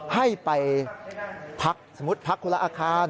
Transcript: ให้ไปพักสมมุติพักคนละอาคาร